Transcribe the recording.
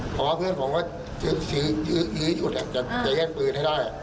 เพราะว่าเพื่อนผมก็ซื้ออยู่ที่จุดจะเย็นปืนให้ได้